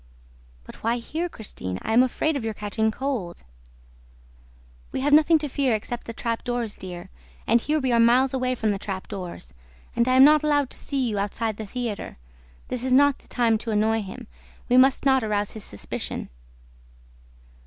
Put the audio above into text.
"But why here, Christine? I am afraid of your catching cold." "We have nothing to fear except the trap doors, dear, and here we are miles away from the trap doors ... and I am not allowed to see you outside the theater. This is not the time to annoy him. We must not arouse his suspicion."